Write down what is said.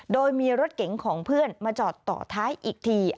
โดยมีรถเก๋งของเพื่อนมาจอดต่อท้ายอีกที